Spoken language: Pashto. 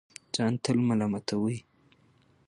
ځان تل ملامتوي